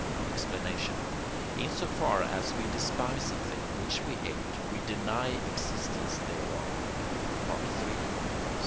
Explanation In so far as we despise a thing which we hate, we deny existence thereof (III.